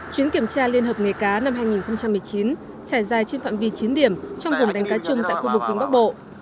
chuyến kiểm tra liên hợp nghề cá năm hai nghìn một mươi chín trải dài trên phạm vi chín điểm trong vùng đánh cá chung tại khu vực vịnh bắc bộ